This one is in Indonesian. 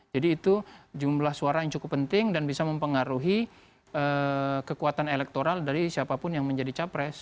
itu jumlah suara yang cukup penting dan bisa mempengaruhi kekuatan elektoral dari siapapun yang menjadi capres